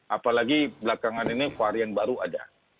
apalagi belakangan ini varian baru ada